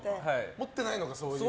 持ってないのか、そういうの。